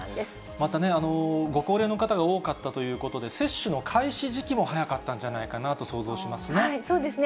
また、ご高齢の方が多かったということで、接種の開始時期も早かったんじゃないかなと想像しますね。